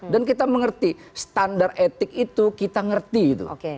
dan kita mengerti standar etik itu kita ngerti itu